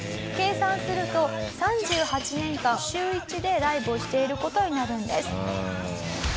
計算すると３８年間週１でライブをしている事になるんです。